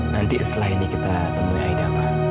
nanti setelah ini kita temui agama